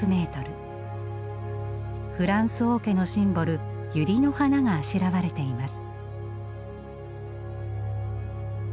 フランス王家のシンボルユリの花があしらわれています。